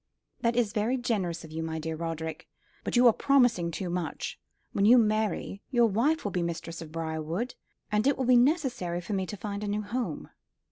"That is very generous of you, my dear Roderick; but you are promising too much. When you marry, your wife will be mistress of Briarwood, and it will be necessary for me to find a new home."